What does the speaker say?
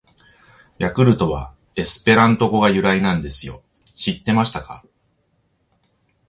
「ヤクルト」はエスペラント語が由来なんですよ！知ってましたか！！